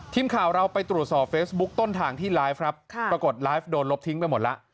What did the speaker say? ทีมข่าวเราไปตรวจสอบเฟซบุ๊คต้นทางที่ไลฟ์ครับปรากฏไลฟ์โดนลบทิ้งไปหมดแล้ว